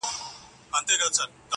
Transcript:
• هغه جنتي حوره ته انسانه دا توپیر دی,